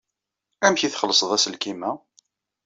Amek ay txellṣed aselkim-a?